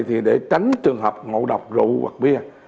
thì để tránh trường hợp ngộ độc rượu hoặc bia